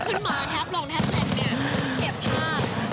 ขึ้นมาทับลงทับเล่นเนี่ยเตรียมภาพ